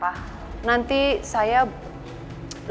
nanti saya berbicara sama dia dan dia nangis bukan main